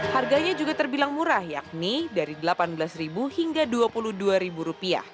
harganya juga terbilang murah yakni dari rp delapan belas hingga rp dua puluh dua